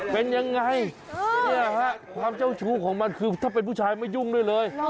เป็นยังไงเนี่ยฮะความเจ้าชู้ของมันคือถ้าเป็นผู้ชายไม่ยุ่งด้วยเลย